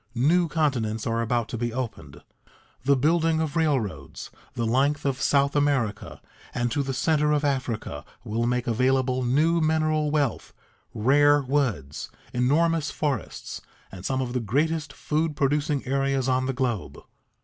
New continents are about to be opened. The building of railroads the length of South America and to the center of Africa will make available new mineral wealth, rare woods, enormous forests, and some of the greatest food producing areas on the globe.